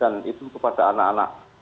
yang sudah berusaha untuk melindungi anak anak